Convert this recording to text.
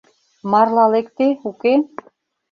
— Марла лекте, уке?